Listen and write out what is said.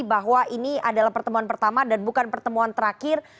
bahwa ini adalah pertemuan pertama dan bukan pertemuan terakhir